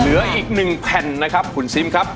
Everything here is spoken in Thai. เหลืออีก๑แผ่นนะครับคุณซิมครับ